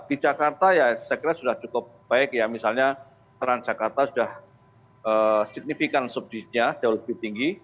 di jakarta ya saya kira sudah cukup baik misalnya peran jakarta sudah signifikan subsidenya jauh lebih tinggi